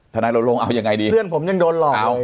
ธนายโรงโลงเอายังไงดีเพื่อนผมยังโดนหล่อเลย